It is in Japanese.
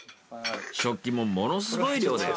食器もものすごい量です。